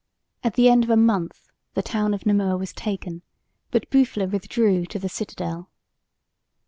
At the end of a month the town of Namur was taken, but Boufflers withdrew to the citadel.